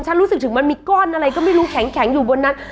ฉันรู้สึกถึงมันมีก้อนอะไรก็ไม่รู้แข็งอยู่บนนั้น